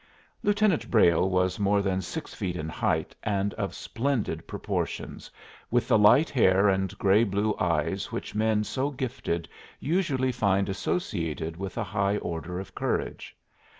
Lieutenant Brayle was more than six feet in height and of splendid proportions, with the light hair and gray blue eyes which men so gifted usually find associated with a high order of courage.